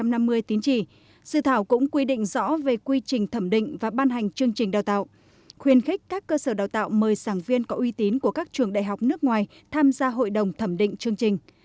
dự thảo cũng quy định rõ về quy trình thẩm định và ban hành chương trình đào tạo khuyên khích các cơ sở đào tạo mời sản viên có uy tín của các trường đại học nước ngoài tham gia hội đồng thẩm định chương trình